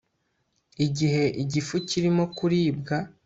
igihe igifu kirimo kuribwa